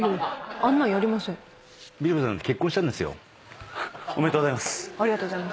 ありがとうございます。